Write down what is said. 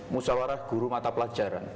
musawarah guru mata pelajaran